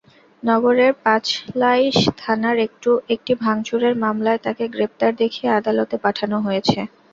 নগরের পাঁচলাইশ থানার একটি ভাঙচুরের মামলায় তাঁকে গ্রেপ্তার দেখিয়ে আদালতে পাঠানো হয়েছে।